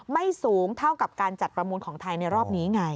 ไม่สูงเท่ากับการจัดประมูลของไทยในรอบนี้ไง